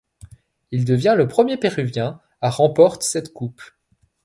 Il devient le premier péruvien à remporte cette coupe.